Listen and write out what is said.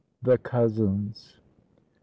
THE COUSINS. I.